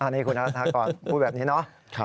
นี่คุณฮะถ้าก่อนพูดแบบนี้เนอะ